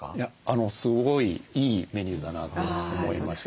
すごいいいメニューだなと思いました。